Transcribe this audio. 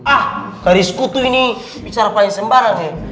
ah garis kutu ini bicara paling sembarang ya